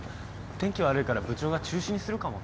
天気悪いから部長が中止にするかもって。